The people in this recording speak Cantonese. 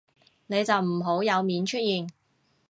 你就唔好有面出現